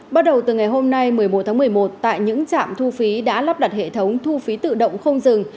bắt đầu từ ngày hôm nay một mươi một tháng một mươi một tại những trạm thu phí đã lắp đặt hệ thống thu phí tự động không dừng